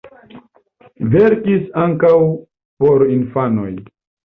Verkis ankaŭ por infanoj.